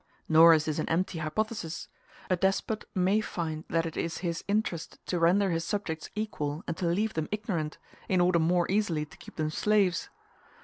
Nor is this an empty hypothesis: a despot may find that it is his interest to render his subjects equal and to leave them ignorant, in order more easily to keep them slaves.